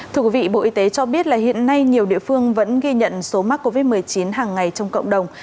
thưa quý vị bộ y tế cho biết là hiện nay nhiều địa phương vẫn ghi nhận số mắc covid một mươi chín hàng ngày trong cộng đồng